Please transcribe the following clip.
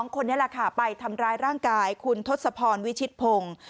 คนนี้แหละค่ะไปทำร้ายร่างกายคุณทศพรวิชิตพงศ์